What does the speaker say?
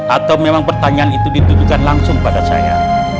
atau memang pertanyaan itu ditujukan langsung pada saya